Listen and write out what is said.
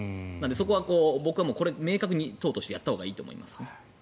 そこは明確に党としてやったほうがいいと思います。